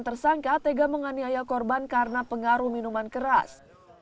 tersangka tega menganiaya korban karena pengaruh minuman keras